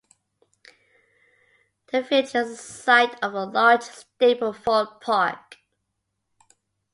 The village is the site of the large Stapleford Park.